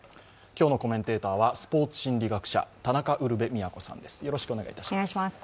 今日のコメンテーターはスポーツ心理学者田中ウルヴェ京さんです。